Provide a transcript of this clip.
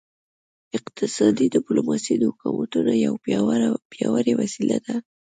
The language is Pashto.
اقتصادي ډیپلوماسي د حکومتونو یوه پیاوړې وسیله ده